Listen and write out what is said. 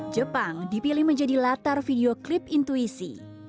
jepang dipilih menjadi latar video klip intuisi